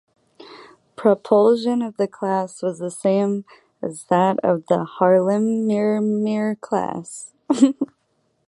Propulsion of the class was the same as that of the "Haarlemmermeer" class.